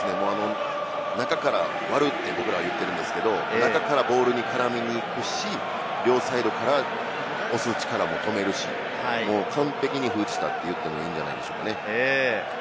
中から割るって、僕らは言ってるんですけれども、中からボールに絡みにいくし、両サイドから押す力も止めるし、完璧に封じたと言っていいんじゃないでしょうかね。